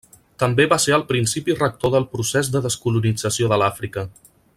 També va ser el principi rector del procés de descolonització de l'Àfrica.